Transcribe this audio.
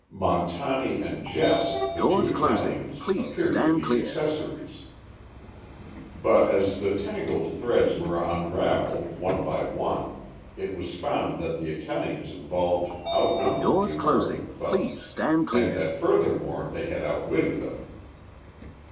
Montani and Jess, the two Italians, appeared to be accessories. But as the tangled threads were unravelled, one by one, it was found that the Italians involved outnumbered the American thugs, and that furthermore they had outwitted them.